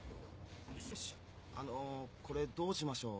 あのこれどうしましょう？